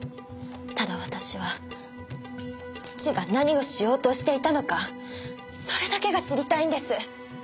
ただ私は父が何をしようとしていたのかそれだけが知りたいんです！